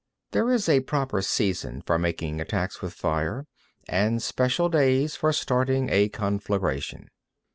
3. There is a proper season for making attacks with fire, and special days for starting a conflagration.